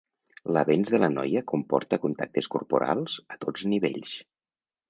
L'avenç de la noia comporta contactes corporals a tots nivells.